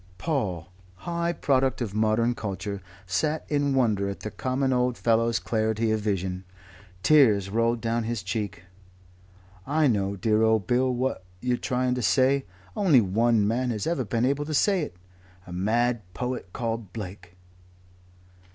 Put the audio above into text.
Paul, high product of modern culture, sat in wonder at the common old fellow's clarity of vision. Tears rolled down his cheek. "I know, dear old Bill, what you're trying to say. Only one man has ever been able to say it. A mad poet called Blake.